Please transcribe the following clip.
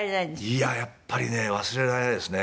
いややっぱりね忘れられないですね。